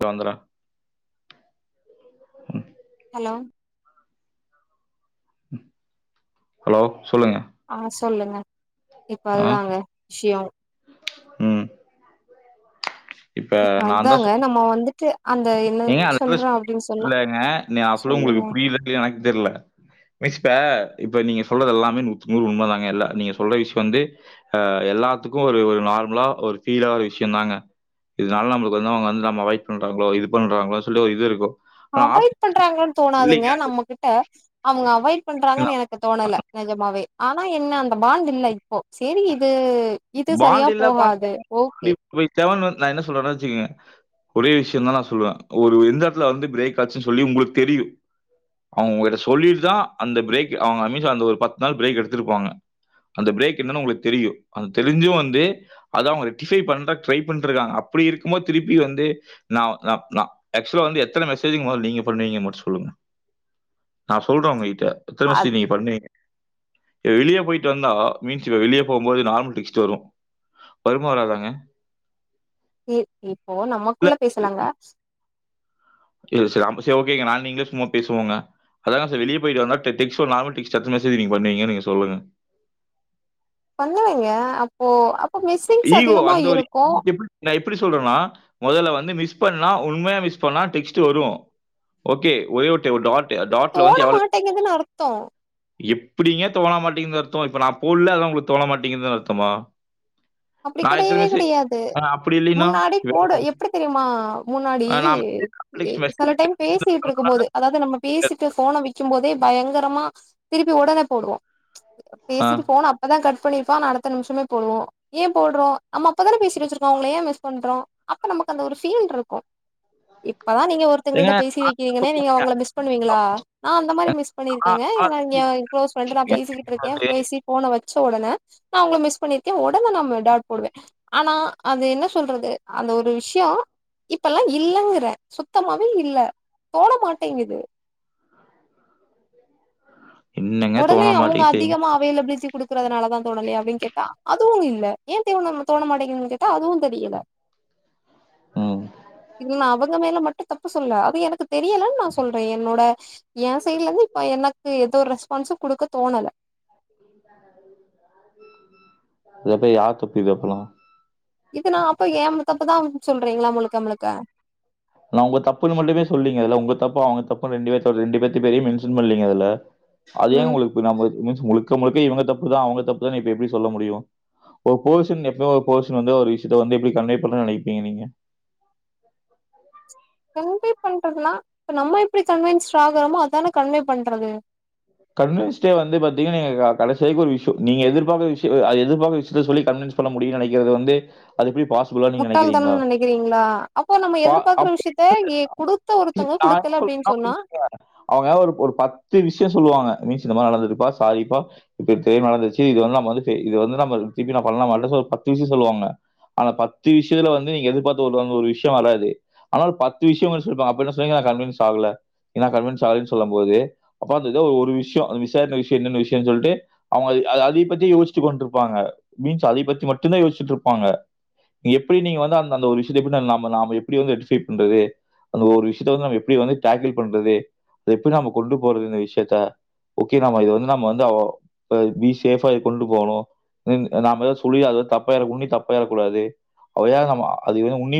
பந்திரம் hello hello சொல்லுங்க ஆஹ் சொல்லுங்க இப்ப அதுதாங்க விஷயம் உம் இப்ப தான் அதாங்க சொ- நம்ம வந்துட்டு அந்த என்ன ஏங்க அந்த புள்ள சொல்றோ அப்டின்னு சொன்னா இல்லங்க அவளவு சொல்லுங்க உங்களுக்கு புரியல எனக்கு தெரியல இப்ப இப்ப நீங்க சொல்றது எல்லாமே நூத்துக்நூறு உண்மை தாங்க எல்ல நீங்க சொல்ற விஷயம் வந்துஹ் எல்லாத்துக்கும் ஒரு ஒரு நார்மலா ஒரு ஃபீலா ஒரு விஷயம் தாங்க இதனால நம்மளுக்கு வந்து அவங்க வந்து நம்ம அவாய்ட் பண்றாங்களோ இது பண்றாங்கள சொல்லி இது இருக்கும் ஆனால் ஆப் அவாய்ட் பண்றாங்கன்னு தோணாதுங்க இல்லைங்க நம்மகிட்ட அவங்க அவாய்ட் பண்றாங்கன்னு எனக்கு தோணல நிஜமாவே ஆனா என்ன பாண்டு இல்ல இப்போ செரி இது இது சரியா பாண்டு இல்ல பாண்டு போகாது ஓகே செவ நான் என்ன சொல்லவறேன் வச்சகங்க ஒரே விஷயம் தான் சொல்லுவேன் ஒரு எந்த இடத்துல பிரேக் ஆச்சுனு சொல்லி உங்களுக்கு தெரியும் அவுங்க உங்ககிட்ட சொல்லிட்டு தா அந்த பிரேக் ஒரு பத்து நாள் பிரேக் எடுத்து இருப்பாங்க அந்த பிரேக் என்னான்னு உங்களுக்கு தெரியும் தெரிஞ்சும் வந்து அதாம் அவங்க ரெட்டிபை பண்ண ட்ரை பண்ணிட்டு இருக்காங்க அப்டி இருக்கும் போது திருப்பி வந்து நான் நான் நான் அக்சுவலா வந்து எத்தன மெசேஜ்யு மொத நீங்க பண்ணுவீங்கன்னு மட்டும் சொல்லுங்க நான் சொல்றேன் அவங்ககிட்ட எத்தன அது மெசேஜ் நீங்க பண்ணுவீங்க வெளியே போயிட்டு வந்தா மீன்ஸ் இப்ப வெளியே போகும்போது நார்மல் டிக் வரும் வருமா வராதாங்க இ இப்போ நம்மக்குள்ள பேசலாங்க ரி சரி ஓகே ந நீங்கள சும்மா பேசுவோங்க அதாங்க வெளிய போயிட்டு வந்தா டெக்ஸ்டோ இல்ல நார்மல் டெக்ஸ்டோ பண்ணுவீங்கன்னு நீங்க சொல்லுங்க பண்ணுவேங்க அப்போ மிஸ்ஸிங்ஸ் ஈகோ அதிகமா அந்த ஒரு இருக்கு நா எப்படி சொல்றேன்னா முதல்ல வந்து மிஸ் பண்ணா உண்மையா மிஸ் பண்ணா டெக்ஸ்ட்டு வரும் ஓகே ஒரே ஒரு ஒரு டாட் டாட்ல தோண வந்து எவ்வளவு மாட்டேங்குதுன்னு அர்த்தம் எப்படிங்க தோண மாட்டேங்குது அர்த்தம் இப்ப நான் போடல அதான் உங்களுக்கு தோண மாட்டேங்குதுன்னு அர்த்தமா அப்டி நான் எத்தன கெடயவே மெசேஜ் கெடையாது ஆ அப்படி இல்லைன்னா? முன்னாடி போடு எப்டி தெரியுமா முன்னாடி ஆ நான் மெசேஜ் டெக்ஸ்ட் மெசேஜ் சில டைம் பேசிட்டு இருக்கும் போது அதாது நம்ம பேசிட்டு போனை வக்கும் போதே பயங்கரமா திருப்பி உடனே போடுவோ ஆ பேசிட்டு போன அப்பதா கட் ட் பண்ணிருப்பா அடுத்த நிம்ஷமே போடுவோ ஏ போட்றோ நம்ம அப்பதான பேசிட்டு வச்சிருக்கோ அவுங்கள ஏ மிஸ் பண்றோ அப்ப நமக்கு அந்த ஒரு ஃபீல் இருக்கு இப்பதா நீங்க ஏங்க ஒருத்தங்களிட்ட நான் பேசி வைக்கிறீங்கன நீங்க அவங்கள மிஸ் பண்வீங்களா நா அந்த மாதிரி மிஸ் ஆ, பண்ணிருக்கீங்க ஆ, ஏ ஞாய நீங்க க்ளோஸ் பண்ட் நா பேசிக்கிட்டு இருக்கே வந்து, பேசி போன வச் ச ஒடன நா ஒங்கள மிஸ் பண்ணிருக்கே ஓட் ட்டன நம்ம டாட் போடுவே ஆனா அது என்ன சொல்றது அந்த ஒரு விஷய இப்பல்லா இல்லங்கிற சுத்தமாவே இல்ல போட மாட்டேங்குது [inaudible] ஒடனே தோண அவங்க மாட்டேங்குது செய்யும். அதிகமா அவெலபிலிட்டி குடுக்கறதுனால தா தொனலே அப்டின்னு கேட்டா துவு இல்ல ஏன் தேவ தோண மாட்டேங்கன்னு கேட்டா அதுவு தெரியல ம். இன் நாவு உங்க மேல மட்டு தப்பு சொல்ல அது எனக்கு தெரியலன் நா சொல்ற என்னோட ஏ சைட்லருந்து இப்ப எனக் து ஏதோறஸ் பண்ஸ் கொடுக்க தோணல இத போய் யார் தப்பு இது எப்பன இது நா அப்ப ஏ ம் தப்புதா சொல்றீங்களா முழுக்க முழுக்க இப்ப நா உங்க தப்புன்னு மட்டுமே சொல்லீங்க அதுல உங்க தப்ப அவங்க தப்புன்ன ரெண்டு பே ரெண்டு பேத்து பெரிய மென்ஷன் பண்ணலீங்கதுல அது ஏன் ம் உங்களுக் இப்ப பினாம்ம மத் மூச் முழுக்க முழுக்க இவங்க தப்புதா அவங்க தப்புதானு எப்டி எப்டி சொல்ல முடியு ஒரு பொர்சன் எப்ப ஒரு பொர்சன் வந்து ஒரு விஷயத்த வந்து எப்டி கண்வேப்பண்றன்னு நினைப்பீங்க நீங்க கன்வே பண்றதுனா இப்ப நம்ம இப்டி கன்வன்ஸ்ட் ஆகாம அதானே கன்வே பண்றது கன்வன்ஸ்டே வந்து பாத்தீங்கங்க கடைசி வரைக்கு ஒரு விஷய நீங்க எதிர்பாக்கற அது எதிர்பாக்கற விஷயத்த சொல்லி கவின்ஸ் பண்ண முடியும்னு நினைக்கறத வந்து அது எப்டி பாசிபில நீங்க முட்டாள் நினைக்கிறீங்களா தனம்னு நெனைக்கிறீங்களா அப்போ நம்ம பா எதிர்பார்க்குற அப்டி விஷயத்த இல்லங்க எ குடுத்த ஒருத்தங்க நா குடுக்கல அப்டின்னு சொன்னா [unintelligible] அவங்க ஒரு பத்து விஷய சொல்லுவாங்க ப்ளீஸ் இந்த மாரி நடந்துது பா சாரி பா தெ தெரியாம நடந்துசு இது வந்து தெ நம்ம இப்டி பண்லாமா பத்தீஸ்ய சொல்லுவாங்க ஆனா பத்து விஸ்யல வந்து நீங்க எதிற்பாத்த ஒரு ந்த ஒரு விஸ்யத்த வராது அதாது பத்து விஸ்யங்கள் சொல்றா அப்ப என்ன சொல்றீங்க கண்வென்ஸ் ஆகல எனக்கு அந்த மாரி சாரின் சொல்லும் போது ப்ப ஒரு விஷயம் விசார விம் என்னென்ன விஷயனு சொல்லிட்டு அவங்க அதை பத்தி யோசிட்டு கொண்டிருப்பாங்க மீன்ஸ் அதை பத்தி மட்டுதா யோசிச்சிட்டுருப்பாங்க எப்டி நீங்க வந்துந்த விஷயத்த எப்டி பண்றது அந்த விஷயத்தவந்து எப்டி டாக்கில் பண்றது எப்டி நம்ம கொண்டு போறது சர்தா ஓகே நாம் வந்து பி சேஃபா கொண்டு போணு அது நாம எது சொல்லி அது தப்பாயிரமுணடி தப்பாயிரக்கூடாது ஏ நம்ம அத உன்னி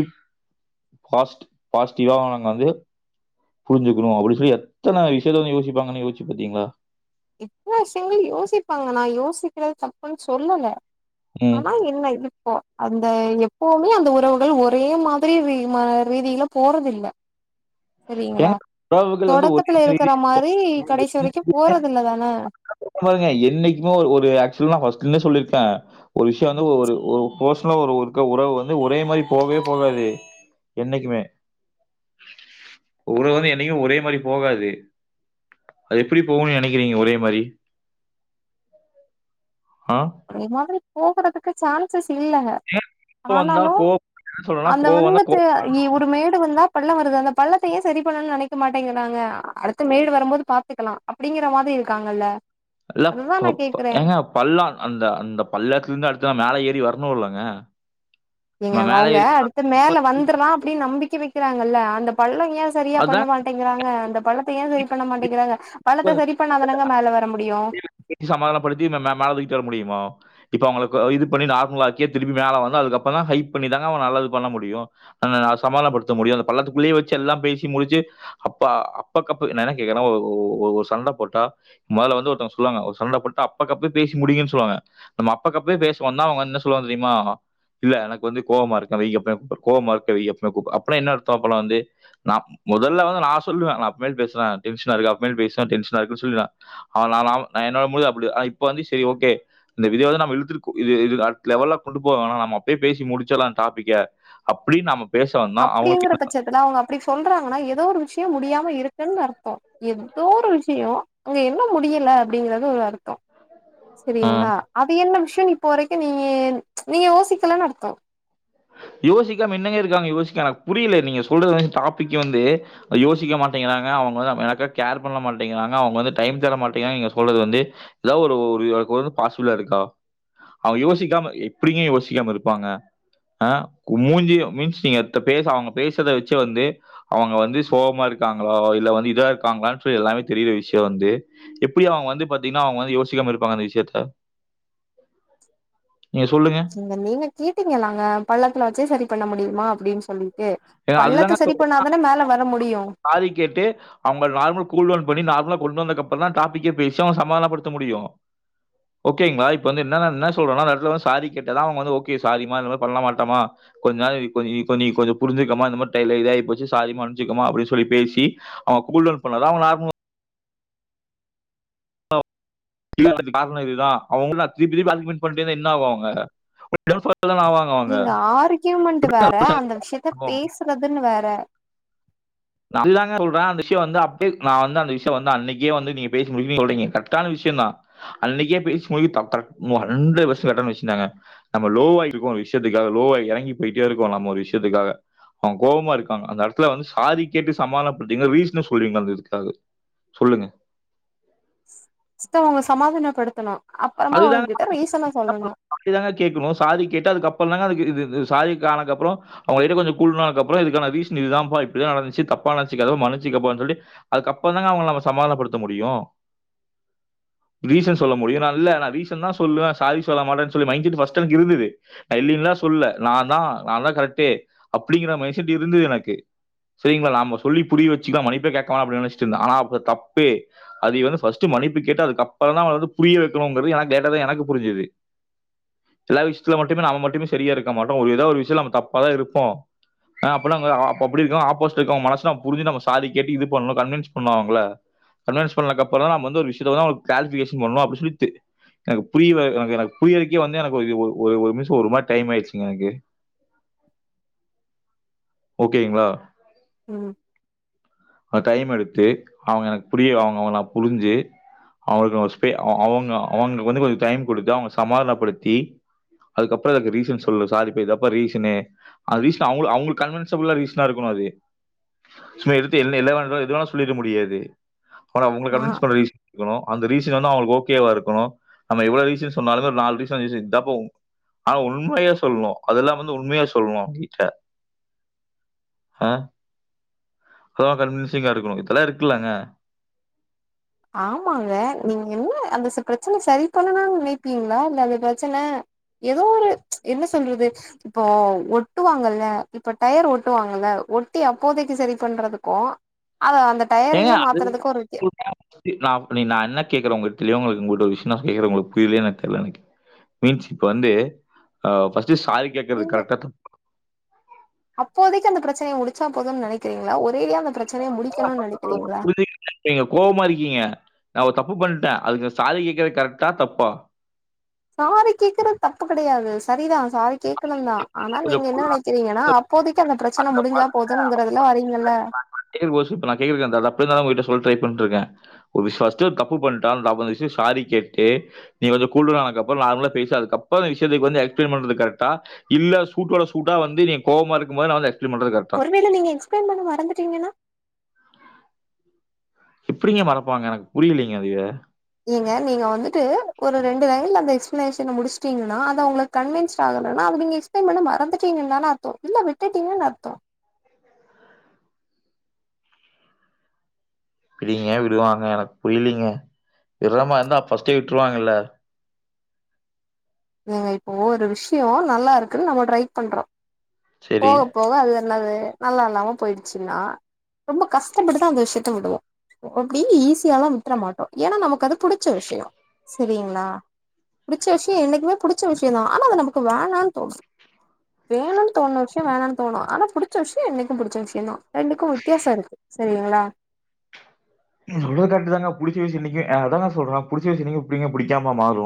பாஸ்ட் பாசிட்டிவா நாங்க வந்து புரிஞ்சுக்கணு அப்டின்னு சொல்லி எத்தன விஷயத்த யோசி இருப்பாங்கன்னு யோஸ்ச்சி பாத்தீங்களா இத்தன விஷயங்கள யோசிப்பாங்க நா யோசிக்கறத தப்புன்னு சொல்ல ம் ஆமா என்ன இதுப்போ அந்த எப்போமே அந்த உறவுகள் ஒரே மாதிரி ரீ ம ரீதியில போறதில்ல சரிங்களா ஏங்க உறவுகள் வந்து ஒரே தொடக்கத்துல மாதிரி இருக்கற மாரி கடைசி வரைக்கு போறதுல்லதானே ங்க பாருங்க என்னைக்குமே ஒரு ஆக்சுவல்ஸ் பர்ஸ்ட்ல இருந்தே சொல்லிருக்கே ஒரு விஷயம் வந்து ஒரு போர்ஷலருக்க உறவு வந்து ஒரே மாரி போவே போவாது என்னைக்குமே உறவு வந்து என்னைக்கு ஒரே மாரி போகாது அது எப்டி போகுணு நெனக்கிறீங்க ஒரே மாரி உ [inaudible] அது என்னாது போகுறதுக்கு சான்சஸ் இல்லங்க கோவம் வந்தா ஆனாலு கோவம் என்ன சொல்றேன்னா, அந்த கோவம் வந்தா வந்துட்டு கோவம் இ உரிமயேடு வந்தா பள்ள வருது அந்த பள்ளத்த ஏ சரி பண்ணுன் நெனைக்க மாட்டேங்கிறாங்க அடுத்த மேடு வரும்போது பாத்துக்கலா அப்டிங்கிற மாரி இருக்காங்கல்ல எல்லாப் அதுதா போ நா போ கேக்குறே ஏங்க பள்ளோ அந்த அந்த பள்ளத்துல இருந்து அடுத்த மேல ஏறி வரணுல்லங்க நீங்க அவங்க அடுத்து மேல வந்துரலா அப்புடின் நம்பிக்க வெக் க்கிறாங்கல்ல அந்த பள்ளோய் ஏ செரியா பண்ண அதான் மாட்டேங்கிறாங்க அந்த பள்ளத்த ஏ செரி பண்ண மாட்டேங்கிறாங்க பள்ளத்த செரி பண்ணாதானங்க மேல வர முடிய் புரில்ல சமாதானப்படுத்தி மே மே மேல தூக்கி தர முடியுமா இப்ப அவங்களுக்கு இது பண்ணி நார்மலாக்கியே திரும்பி மேல வந்து அதுக்கப்பறோந்தா ஹைப் பண்ணிதாங்க அவ நல்லது பண்ண முடியு அதுனால சமதளப்படுத்த முடியு அந்த பள்ளத்துக்குள்ளயே வெச்சு எல்லாம் பேசி முடுச்சு அப்ப அப்பக்கப்ப என்ன கேக்குறனா ஒரு சண்ட போட்டா மொதல வந்து ஒர் அதா சொல்லுவாங்க சண்ட போட்டா அப்பக்கப்பவே பேசி முடிங்கன் சொல்லுவாங்க நம்ம அப்பக்கப்பவே பேசுவோந்தா அவுங்க வந்து சொல்லுவாங்க தெரியுமா இல்ல எனக்கு வந்து கோவமா இருக்க வெயி அப்பறோ கூப்புடுற கோவமா இருக்க வெயி அப்பறோ கூப்புடுற அப்புன்னா என்ன அர்த்தோ அப்பல்லா வந்து நா மொதல்ல நா சொல்வ நா அப்றமேல் பேசுற டென்ஷனா இருக்கு அப்றமேல் பேசுற டென்ஷனா இருக்குன் சொல்லிடுவ நா நா நாம் என்னோட முடிவு அப்டிதா இப்ப வந்து சேரி ஓகே இந்த விதி வந்து நம்ம இழுத்துட்டு அடுத்த லெவல்ல கொண்டு போவ் வேணா நம்ம அப்டியே பேசி முடுச்சுருலா இந்த டாபிக்க அப்டின் நம்ம பேச வந்தா அவங்களுக்கு அப்படிங்கற பட்சத்துல அவுங்க அப்டி சொல்றாங்கன்னா ஏதோ ஒரு விஷ் யோ முடியாம இருக்குன்னு அர்த்தோ எதோ ஒரு விஷியோ அங்க என்ன முடியல அப்படிங்கறது ஒரு அருத்தோ ஆ. சேரிங்களா அது என்ன விஷ் துன்னு இப்போ வரைக்கு நீயி நீயி யோசிக்கலனு அருத்தோ யோசிக்காம என்னங்க இருக்காங்க யோசிக்க எனக்கு புரியல நீங்க சொல்றது டாபிக் வந்து யோசிக்க மாட்டேங்கிறாங்க அவங்க வந்து எனக்க கேர் பண்ண மாட்டேங்கிறாங்க அவங்க வந்து டைம் தர மாட்டேங்கிறாங்க நீங்க சொல்றது வந்து ஏதா ஒரு ஒரு பாசிபிளா இருக்கா அவங்க யோசிக்காம எப்டிங்க யோசிக்காம இருப்பாங்க அ மூஞ்சிய மீன்ஸ் நீங்க பேசாம அவங்க பேசுறத வெச்சு வந்து அவங்க வந்து சோகமா இருக்காங்கலா இல்ல வந்து இதா இருக்காங்ளான் சொல்லி எல்லாமே தெரியிற விஷ்யோ வந்து எப்புடி அவங்க வந்து பாத்தீங்கன்னா அவங்க வந்து யோசிக்காம இருப்பாங்க அந்த விஷயத்த நீங்க சொல்லுங்க. நீங்க வந்து கேட்டீங்களாங்க பள்ள இப்பனாச்சே செரி பண்ண முடியுமா அப்புடின் சொல்லி ஏ ஏன்னா அதுதாங்க பள்ளத்த செரி பண்ணாதான மேல வர முடியு சாரி கேட்டு அவங்க நார்மல் கூல் டவுன் இப்புடி நார்மலா கொண்டு வந்ததுக்கப்புறந்தா டாப்பிக்கே பேசியு சமாதானப்படுத்த முடியு ஓகேங்களா இப்ப என்னன்னா என்ன சொல்றன்னா அந்த எடத்துல சாரி கேட்டாதா அவங்க வந்து ஓகே சாரிமா இனிமேல் பண்ண மாட்டம்மா கொஞ்ச நாள் நீ கொஞ்ச நீ கொஞ்சோ புருஞ்சுக்கோம்மா இந்த மாரி டைம்ல இதாய் போச்சு சாரி மன்சுக்கோம்மா அப்புடின்ஸ் சொல்லி பேசி அவ கூல் டவுன் பண்ணதா அவ நார்மலா இல்ல இதுக்கு கார்ணோ இதுதா அவுங்களா திருப்பி திருப்பி ஆர்கியூமன்டு பண்ணிட்டே இருந்தா என்ன ஆகு அ [unintelligible] நீங்க ஆர்கியூமண்ட் நான் வேற ரோஷன் அந்த விஷ்யத்த ஆகும். பேசுறதுன்னு வேற நா இதாங்க சொல்ற அந்த விஷ்யோ வந்து அப்டியே நா வந்த விஷ்யோ வந்து நா அன்னைக்கே வந்து நீங்க பேசி முடிக்குவீங்கன் சொல்றீங்க கரெக்டான விஷ்யந்தா அன்னைக்கே பேஸ் முடிக்குறது தப் கரெக்ட் மு அண்ரெடு பர்சன்டேஜ் கரெக்டான விஷயந்தாங்க நம்ம லோவா இருக்கோ ஒரு விஷ்யத்துக்காக லோவா எறங்கி போயிட்டே இருக்கோ நம்ம ஒரு விஷ்யத்துக்காக அவங் கோவமா இருக்காங்க அந்த எடத்துல வந்து சாதி கேட்டு சமாதனப்படுத்தீங்க ரீசன சொல்றீங்க அந்த இதுக்காக சொல்லுங்க ஃபர்ஸ்ட்டு அவங்கள சமாதானப்படுத்தனு அதுதாங்க [inaudible] அதுதாங்க கேக்கணு சாரி கேட்டா அதுக்கப்பறந்தாங்க அதுக்கு இது இது சாரிக் கானக்கப்புறோ அவுங்க கிட்ட கொஞ்சோ கூல்டவுன் ஆனதுக்கப்புறோ இதுக்கான சீசன் இதுதாம்பா இப்புடிதா நடந்துச்சு தப்பா நெனச்சுக்காத மனுச்சுக்கோப்பான் சொல்லிட்டு அதுக்கப்புறந்தாங்க அவங்கள நாம சமாதானப்படுத்த முடியு ரீசன் சொல்ல முடியு நான் இல்ல ரீசன்தா சொல்லுவ சாரி சொல்ல மாட்டன் சொல்லி மயங்கிட்டு ஃபஸ்ட்டு எனக்கு இருந்துது இல்லீன்லா சொல்ல நாந்தா நாந்தா கரெக்டே அப்புடிங்குற மைண்செட்டே இருந்துது எனக்கு சேரிங்ளா நாம சொல்லி புரிய வெச்சுக்குளா மணிப்பே கேக்க வேணா அப்டின் நெனச்சுட்டு இருந்த ஆனா அப்ப தப்பு அதிய வந்து ஃபஸ்ட்டு மணிப்பு கேட்ட அதுக்கப்பறந்தா அவ வந்து புரியவே துமோ உங்க வீ எனக் கேட்டது எனக்கு புருஞ்சுது இல்லாத விஷ்யத்துல மட்டுமே நா அவ மட்டுமே செரியா இருக்காமா அதா ஒரு இதா ஒரு விஷ்யல அவ தப்பாதா இருக்கு அ அப்பெல்லாங்க அ அப்புடி இருக்கோ ஆப்போசிட் இருக்கு அவ மனசுல அவ புருஞ்சு நம்ம சாதிக்கு எப்டி இது பண்ணு கன்வென்ஸ் பண்ணுவாங்கள கன்வென்ஸ் பண்ணக்கப்புறோ நாம வந்து ஒரு விஷியத்ததா கேல்குலேசன் பண்ணா அப்புடி சொல்லிட் டு எனக்கு புரியவே எனக்கு எனக்கு புரியரதுக்கே வந்து எனக்கு ஒரு இது ஒரு ஒரு ஒரு மிஸ்சு ஒரு மாரி டைம் ஆயிடுச்சுங்க எனக்கு ஓகேங்களா ம் அ டைம் எடுத்து அவங்க எனக்கு புரிய அவங்க அவங்க புருஞ்சு அவங்களுக்கு அவங்கஸ்பே அ அ அவுங் அவங்க வந்து கொஞ்ச டைம் குடுத்து அவங்க சமாதானப்படுத்தி அதுக்கப்பறோ இருக்இ ரீசன் சொல்லு சாரிப்பா இதாப்பா ரீசனே அது ரீஸ்ட்டா அவுங்களு அவுங்களுக் கன்வென்சபலா ரீசனா இருக்கனு அது சும்மா எடுத்து என்ன என்னவா இதுவா எதுவேனா சொல்லிட முடியாது ஆனா உங்கள ஆ கன்வென்ஸ் பண்ண ரீசனு அந்த ரீஸ் இதுவந்து அவுங்களுக்கு ஓக் ஓகேவா இருக்குணு நம்ம எவ்வளவு ஈசியா சொன்னாலு நாலு ரீசன் இதாப்பா அத உண்மையா சொல்ணு அதெல்லா வந்து உண்மையா சொல்ணு கிட்ட ஆ அப்பதா கன்வென்சிங்கா இருக்கணு இதெல்லா இருக்கலாங்க ஆமாங்க நீங்க என்ன அந்த செ பிரச்சன சரி பண்ணனுன்னு நெனைப்பீங்களா இல்ல அந்த பிரச்சன ஏதோ ஒரு என்ன சொல்றது இப்போ ஒட்டுவாங்கல்ல இப்ப டயர் ஒட்டுவாங்கல்ல ஒட்டி அப்போதைக்கு செரி பண்றதுக்கு அத அந்த டயரயே மாத்துறதுக்கு ஒரு வித் ந நீ நா என்ன கேக்குற உங்களுக்கு தெரியவங்களுக்கு உங்கட விஷய நா கேக்குற உங்களுக்கு புரியல என தெர்ல எனக்கு மீன்ஸ் இப்ப வந்து சாரி கேட்கறது இல்ல கரெக்ட்டா தப்பா? அப்போதைக்கு அந்த பிரச்சனைய முடிக் டிச்சா போதும்னு நெனைறீங்களா ஒரேடியா அந்த பிரச் [unintelligible] புரிஞ்சிக்க நீங்க கோவமா இருக்கீங்க நா ஒரு தப்பு பண்ணிட்டே அதுக்கு சாரி கேட்குறது கரெக்டா தப்பா சாரி கேக்குறது தப்பு கெடையாது சரிதா சாரி கேக்கனு தா ஆனா நீங்க கொஞ்சம் என்ன கூலா நெனைக்கிறீங்கன்னா அப்போதைக்கு அந்த பிரச்சனை முடிஞ்சா நான் போதுன்னுங்கறதுல வரீங்கல்ல கேக்குற கோசம் இப்ப நான் கேக்குறேன். அது அப்படியே தான் உங்ககிட்ட சொல்ல ட்ரை பண்ணிட்டு இருக்கே ஒரு விஷ் ஃபஸ்டு ஒரு தப்பு பண்ட்டா அப்போ அந்த விஷ்யோ சாரி கேட்டு நீங் கூல் டவுன் ஆனதுக்கப்றோ நார்மலா பேசி அதுக்கப்றோ இந்த விஷயத்துக் வந்து எக்ஸ்ப்ளைன் பண்றது கரெக்ட் இல்ல சூட்டோட சூட்டா வந்து நீங்க கோவமா இருக்கு போது ந வந்து எக்ஸ் ஒருவேளை நீங்க எக்ஸ்பிளைன் பண்ண மறந்துட்டீங்கன்னா எப்டிங்க மறப்பாங்க எனக்கு புரியலீங்க அதுவே நீங்க நீங்க வந்துடு ஒரு ரெண்டு லைன்லந்த எக்ஸ்ப்ளனேஷன முடிச்சிட்டிங்கனா அது அவங்களுக்கு கன்வீன்ஸ்ட் ஆகலனா அப்டி நீங்க எக்ஸ்ப்ளைன் பண்ண மறந்துட்டீங்கனுதனே அர்த்தோ இல்ல விட்டுட்டீங்க அர்த்தோ எப்டிங்க விடுவாங்க எனக்கு புரியலீங்க விடுறமா இருந்தா ஃபர்ஸ்ட்டே விட்டுருவாங்கல்ல நீங்க இப்போ ஒரு விஷயோ நல்லா இருக்குன்னு நம்ம ட்ரை பண்றோ சரி. போக போக அது என்னது நல்லா இல்லாம போயிடுச்சுன்னா ரொம்ப கஷ்டப்பட்டுதா அந்த விஷயத்த விடுவோ அப்டி ஈஸியாலா விட்டுற மாட்டோ ஏன்னா நமக்கு அது புடிச்ச விஷயோ சரிங்களா புடிச்ச விஷயோ என்னைக் புடிச்ச விஷயோ தா ஆனா அது நமக்கு வேணானு தோணு வேணும்னு தோண விஷயோ வேணாம்னு தோணு ஆனா புடிச்ச விஷயோ என்னைக்கு புடிச்ச விஷயோ தா ரெண்டுக்கு வித்தியாசோ இருக்கு சரிங்களா நிங்க சொல்ரது கரக்டு தாங்க புடிச்ச விசியம்ன்னைக்கு அ அதாங்க சொல்றே புடிச்சு விஷயோஎன்னைக்ங்க எப்டி பிடிக்காம மாறு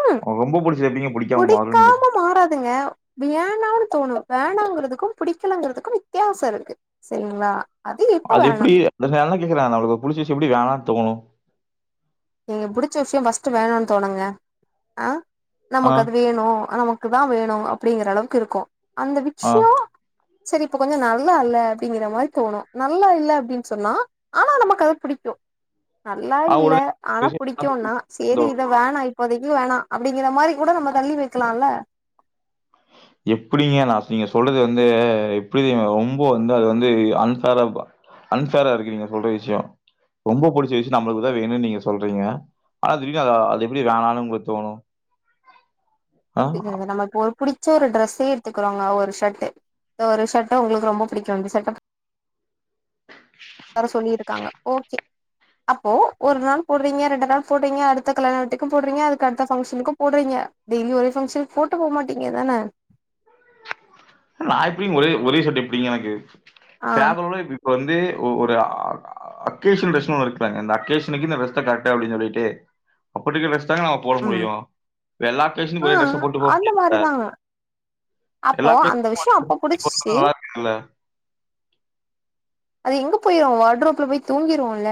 ம் அவ ரொம்ப புடிச்சது எப்டிங்க பிடிக்காம மாறு நீங்க புடிக்காம மாறாதுங்க வேணானு தோணு வேணாங்கிறதுக்கு புடிக்கலங்கிறதுக்கு வித்தியாசோ இருக்கு சரிங்களா இப்ப அது வேணா எப்டி [unintelligible] எப்டிங்ர அவளுக்கு புடிச விசியோ எப்டி வோனான்ணு தோணு ச்சு வேணானு தோணுங்க ஆ ஆ, நமக்கு அது வேணு நமக் க்கு தா வேணு அப்படிங்கற அளவுக்கு இருக்கு அந்த ஆ. விட்சோ சரி இப்ப கொஞ்சோ நல்லா இல்ல அப்டிங்கிற மாரி தோணு நல்லா இல்ல அப்டின்னு சொன்னா ஆனா நமக்கு அது புடிக்கு நல்லா ஆ இல்ல உடனே ஆனா விஷயம் புடிக்கும்ன்னா கொண்டு செரி வரணும். இத வேணா இப்ப எங்க்யூ வேணா அப்டிங்கற மாரி கூட நம்ம தள்ளி வைக்கலாம்ல எப்டிங்க நா நீங்க சொல்றது வந்து எப்டி தெரிமா ரொம்ப வந்து அது வந்து அன்ஃபேரா அன்ஃபேரா இருக்கு நீங்க சொல்ற விஷயோ ரொம்ப புடிச்ச விஷயோ நம்மளுக்குதா வேணும்னு நீங்க சொல்றீங்க ஆனா அது எப்டி வேணாலும் உங்களுக்கு தோணு சரி நம்ம இப்ப ஒரு புடி ச்ச ஒரு ட்ரஸே எத்துக்கறோங்க ஒரு சர்ட் ஒரு சர்ட்ட உங்களுக்கு ரொம்ப புடிக்கும் இந்த சர்ட் வர சொல்லியிருக்காங்க ஓகே அப்போ ஒரு நாள் போடுறீங்க ரெண்டு நாள் போடுறீங்க அடுத்த கல்யாணத்துக்கும் போடுறீங்க அதுக்கு அடுத்த பங்க்ஷனுக்கும் போடுறீங்க டெய்லி ஒரே பங்க்ஷனுகு போட்டு போக மாட்டீங்க தானே நா எப்டிங் ஒரே ஒரே சட்ட எப்டிங்க எனக்கு ஆ சேபல்லெபி வந்து ஒரு அக்கேஷன் இருக்காங்க இந்த அக்கேஷனுக்கு கரெக்ட அப்பனு சொல்லிட்டு அப்ப ந போட ம் முடியும் எல்லா பெசன்ட் ஆ ஒரே ட்ரெஸ் போட்டு போக அந்த முடியும் மாரிதாங்க எல்லா பெசன்ட் வெஷம் அப்ப புடிச்சிச்சி அது எங்க போய்ருவ வாட்ரோப்ல போய் தூங்கிருவம்ல